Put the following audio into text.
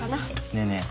ねえねえ